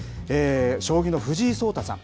将棋の藤井聡太さん。